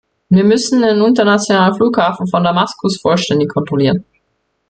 Wir müssen den internationalen Flughafen von Damaskus vollständig kontrollieren.